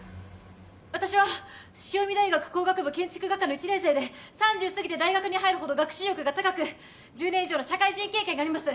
私は潮海大学工学部建築学科の１年生で３０過ぎて大学に入るほど学習意欲が高く１０年以上の社会人経験があります